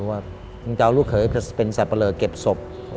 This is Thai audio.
ว้่าอย่างเจ้าลูกเคยเป็นแสซ่มประเลิศเก็บศพ